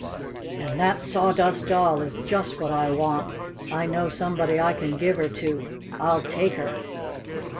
And that Sawdust Doll is just what I want. I know somebody I can give her to. I'll take her!"